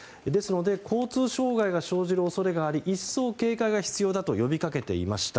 交通障害が生じる恐れがあり一層警戒が必要だと呼びかけていました。